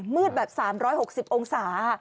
มืดแบบ๓๖๐องศา